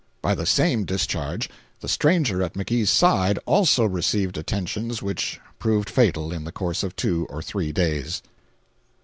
By the same discharge the stranger at McGee's side also received attentions which proved fatal in the course of two or three days.